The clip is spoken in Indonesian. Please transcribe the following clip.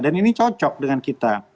dan ini cocok dengan kita